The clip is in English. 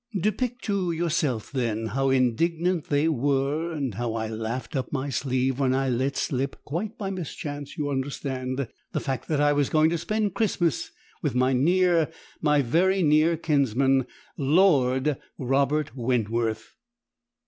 Depict to yourself then how indignant they were, and how I laughed up my sleeve when I let slip, quite by mischance you understand, the fact that I was going to spend Christmas with my near, my very near kinsman Lord Robert Wentworth.